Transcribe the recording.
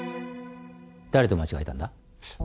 誰と間違えたんだ？